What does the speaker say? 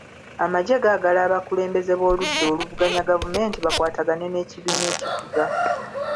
Amagye gaagala abakulembeze b'oludda oluvuganya gavumenti bakwatagane n'ekibiina ekifuga.